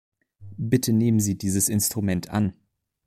Bitte nehmen Sie dieses Instrument an!